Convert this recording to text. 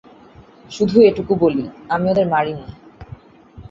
শুধু এটুকু বলি, আমি ওদের মারিনি।